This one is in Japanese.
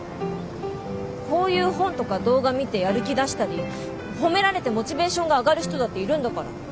こういう本とか動画見てやる気出したり褒められてモチベーションが上がる人だっているんだから。